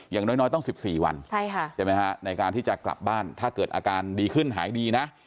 อย่างน้อยต้อง๑๔วันใช่ไหมฮะในการที่จะกลับบ้านถ้าเกิดอาการดีขึ้นหายดีนะ